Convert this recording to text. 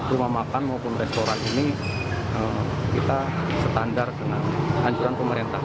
rumah makan maupun restoran ini kita standar dengan anjuran pemerintah